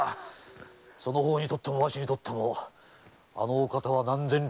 その方にとってもわしにとってもあのお方は何千両何万両の金のなる木じゃ。